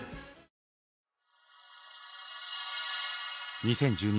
２０１２年